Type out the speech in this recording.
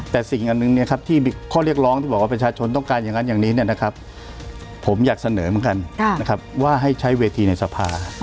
แต่สิ่งอันหนึ่งที่ข้อเรียกร้องที่บอกว่าประชาชนต้องการอย่างนั้นอย่างนี้เนี่ยนะครับผมอยากเสนอเหมือนกันนะครับว่าให้ใช้เวทีในสภา